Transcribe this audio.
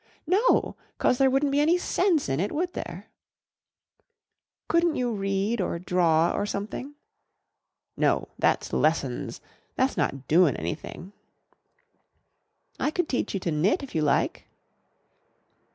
"No, 'cause there wouldn't be any sense in it, would there?" "Couldn't you read or draw or something?" "No, that's lessons. That's not doin' anything!" "I could teach you to knit if you like."